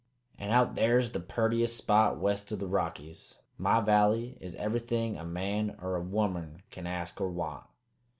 "An' out there's the purtiest spot west o' the Rockies, My valley is ever'thing a man er a womern can ask or want.